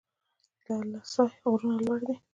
د اله سای غرونه لوړ دي